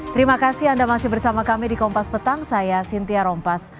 terima kasih anda masih bersama kami di kompas petang saya cynthia rompas